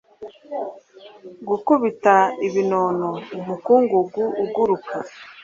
gukubita ibinono, umukungugu uguruka